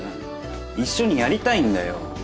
一緒にやりたいんだよ。